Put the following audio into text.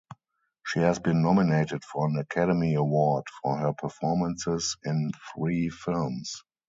She has been nominated for an Academy Award for her performances in three films.